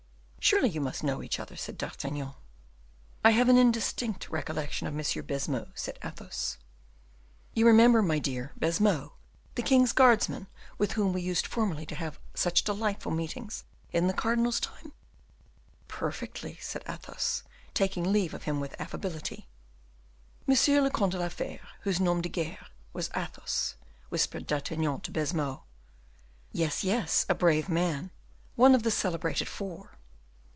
"Surely you must know each other," said D'Artagnan. "I have an indistinct recollection of Monsieur Baisemeaux," said Athos. "You remember, my dear, Baisemeaux, the king's guardsman with whom we used formerly to have such delightful meetings in the cardinal's time?" "Perfectly," said Athos, taking leave of him with affability. "Monsieur le Comte de la Fere, whose nom de guerre was Athos," whispered D'Artagnan to Baisemeaux. "Yes, yes, a brave man, one of the celebrated four."